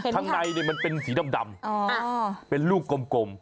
ข้างในมันเป็นสีดำเป็นลูกกลม